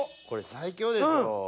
これ最強でしょ。